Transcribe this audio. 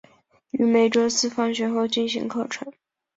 于每周四放学后进行课程。